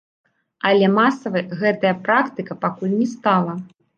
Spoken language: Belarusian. Але масавай гэтая практыка пакуль не стала.